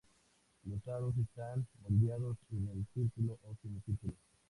Los aros están moldeados en círculo o semicírculo.